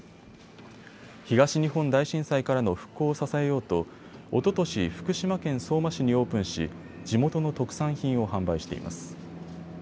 東日本大震災からの復興を支えようとおととし福島県相馬市にオープンし地元の特産品を販売しています。